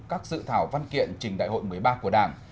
các dự thảo văn kiện trình đại hội một mươi ba của đảng